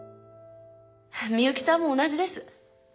美由紀さんも同じです。